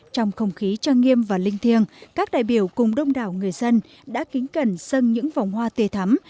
trong không khí trang nghiêm và linh thiêng các đại biểu cùng đông đảo người dân đã kính cẩn sân những vòng hoa tê thắm